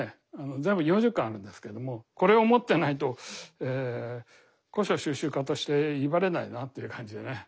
全部４０巻あるんですけどもこれを持ってないと古書蒐集家として威張れないなという感じでね。